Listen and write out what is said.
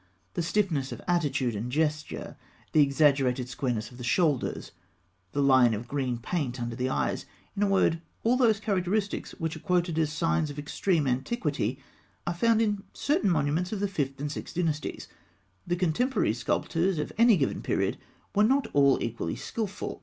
The stiffness of attitude and gesture, the exaggerated squareness of the shoulders, the line of green paint under the eyes, in a word, all those characteristics which are quoted as signs of extreme antiquity, are found in certain monuments of the Fifth and Sixth Dynasties. The contemporary sculptors of any given period were not all equally skilful.